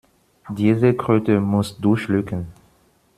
Diese Kröte musst du schlucken.